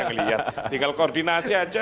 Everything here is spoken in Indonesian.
ngelihat tinggal koordinasi aja